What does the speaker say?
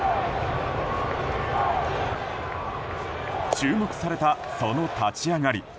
注目された、その立ち上がり。